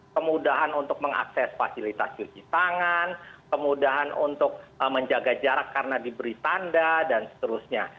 kemudahan untuk mengakses fasilitas cuci tangan kemudahan untuk menjaga jarak karena diberi tanda dan seterusnya